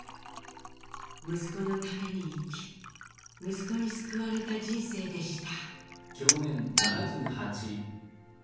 息子のために生き息子に救われた人生でした。